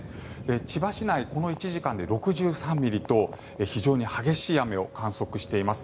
千葉市内、この１時間で６３ミリと非常に激しい雨を観測しています。